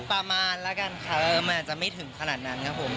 ประมาณแล้วกันค่ะมันอาจจะไม่ถึงขนาดนั้นครับผม